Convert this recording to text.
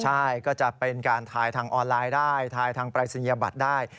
ใช่ก็จะเป็นการทายทางออนไลน์ได้ทายทางปรายศนียบัตรได้